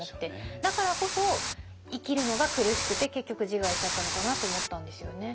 だからこそ生きるのが苦しくて結局自害しちゃったのかなと思ったんですよね。